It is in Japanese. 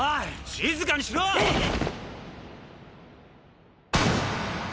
静かにしろ！ッ！！